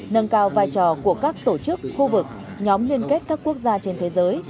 nâng cao vai trò của các tổ chức khu vực nhóm liên kết các quốc gia trên thế giới